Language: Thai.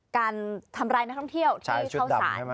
การทำร้ายนักท่องเที่ยวที่เข้าสารใช้ชุดดำใช่ไหม